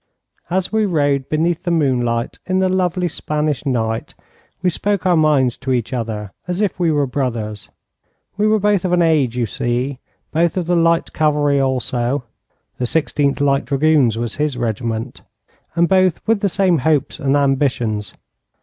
As we rode beneath the moonlight in the lovely Spanish night, we spoke our minds to each other, as if we were brothers. We were both of an age, you see, both of the light cavalry also (the Sixteenth Light Dragoons was his regiment), and both with the same hopes and ambitions.